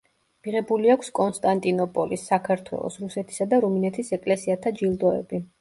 მიღებული აქვს კონსტანტინოპოლის, საქართველოს, რუსეთისა და რუმინეთის ეკლესიათა ჯილდოები.